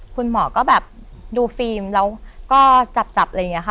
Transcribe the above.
คุณหมอก็แบบดูฟิล์มแล้วก็จับอะไรอย่างนี้ค่ะ